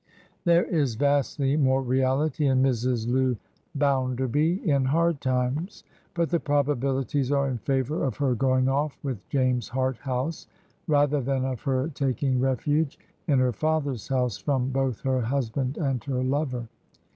There is vastly more reality in Mrs. Lou Bounderby in "Hard Times/' but the probabilities are in favor of her going off with James Harthouse, rather than of her taking refuge in her father's house from both her hus band and her lover.